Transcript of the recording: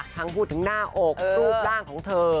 ทั้งพูดถึงหน้าอกรูปร่างของเธอ